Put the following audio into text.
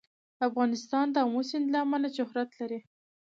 افغانستان د آمو سیند له امله شهرت لري.